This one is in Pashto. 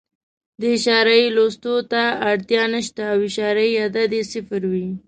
د اعشاریې لوستلو ته اړتیا نه شته او اعشاریه عدد یې صفر وي.